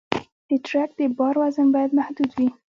د ټرک د بار وزن باید محدود وي.